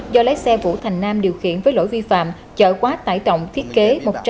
do lái xe vũ thành nam điều khiển với lỗi vi phạm chở quá tải tổng thiết kế một trăm năm mươi hai sáu mươi một